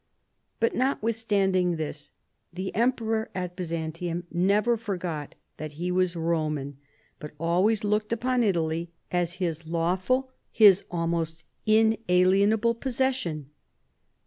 But, notwithstanding this, the emperor at Byzan tium never forgot that he was Roman, but always looked upon Italy as his lawful, his almost inalien able, possession.